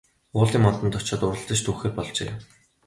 Уулын модонд очоод уралдаж түүхээр болжээ.